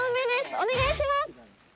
お願いします！